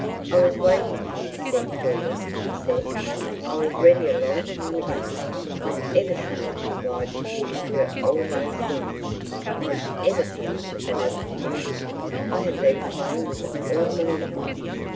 "I was waiting for you to send for me," he said. "I was ready a long time ago. I'm EVER so much obliged to you for all those things! I'm EVER so much obliged to you! I have been playing with them all the morning."